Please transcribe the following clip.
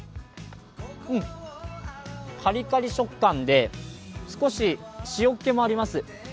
かりかり食感で少し塩っ気もあります。